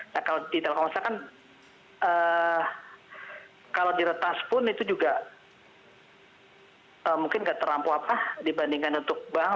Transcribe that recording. nah kalau di telkomsel kan kalau diretas pun itu juga mungkin nggak terlampau apa dibandingkan untuk bank